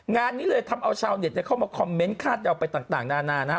งานนี้เลยทำเอาชาวเน็ตเข้ามาคอมเมนต์คาดเดาไปต่างนานานะฮะ